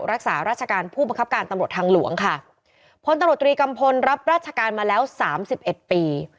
รักษาราชการผู้บังคับการตำรวจทางหลวงค่ะพลตำรวจตรีกัมพลรับราชการมาแล้วสามสิบเอ็ดปี